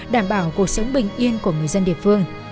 đảm bảo cuộc sống bình yên của người dân địa phương